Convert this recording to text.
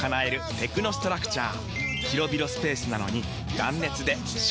テクノストラクチャー！